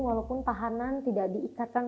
walaupun tahanan tidak diikatkan